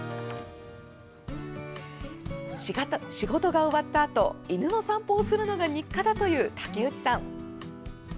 仕事が終わったあと犬の散歩をするのが日課だという竹内さん。